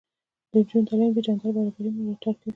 د نجونو تعلیم د جنډر برابري ملاتړ کوي.